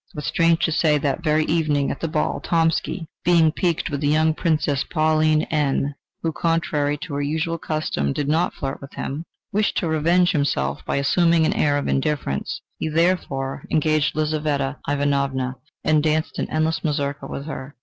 But, strange to say, that very evening at the ball, Tomsky, being piqued with the young Princess Pauline N , who, contrary to her usual custom, did not flirt with him, wished to revenge himself by assuming an air of indifference: he therefore engaged Lizaveta Ivanovna and danced an endless mazurka with her.